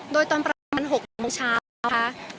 โดยตอนประมาณ๖นาทีเช้าค่ะ